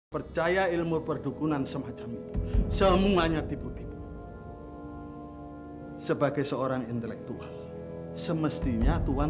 percaya ilmu perdukunan semacam semuanya tipe tipe sebagai seorang intelektual semestinya tuhan